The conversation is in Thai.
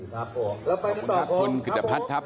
ขอบคุณครับคุณกิตพัฒน์ครับ